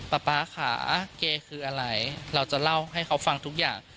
ป๊าค่ะเกย์คืออะไรเราจะเล่าให้เขาฟังทุกอย่าง